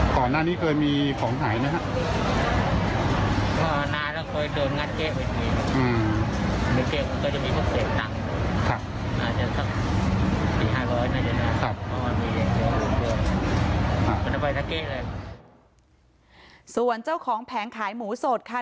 เกล็กเก่งเลยส่วนเจ้าของแผงขายหมูสดค่ะ